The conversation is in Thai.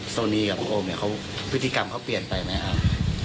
โซนีได้กรรมพิธีกรรมกับโอมเต็มมาที่ไหน